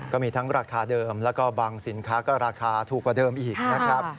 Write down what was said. ก็มีทั้งราคาเดิมแล้วก็บางสินค้าก็ราคาถูกกว่าเดิมอีกนะครับ